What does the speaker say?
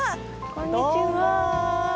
こんにちは。